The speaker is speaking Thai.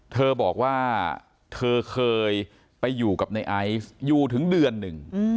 เธอบอกว่าเธอเคยไปอยู่กับในไอซ์อยู่ถึงเดือนหนึ่ง